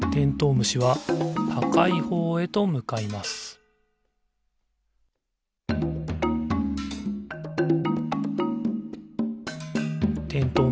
むしはたかいほうへとむかいますてんとう